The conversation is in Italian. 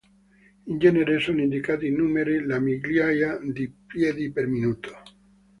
In genere sono indicate in numeri le "migliaia di piedi per minuto".